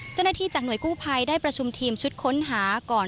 เจ้าหน้าที่จากหน่วยกู้ภัยได้ประชุมทีมชุดค้นหาก่อน